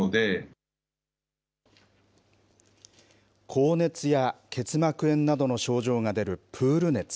高熱や結膜炎などの症状が出るプール熱。